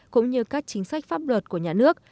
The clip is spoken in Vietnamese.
cũng như các chính sách pháp luật của nhà nước